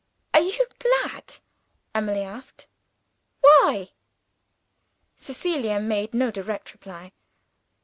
"Are you glad?" Emily asked. "Why?" Cecilia made no direct reply.